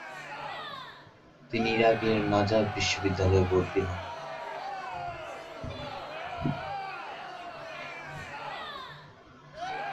তিনি ইরাকের নাজাফ বিশ্ববিদ্যালয়ে ভর্তি হন।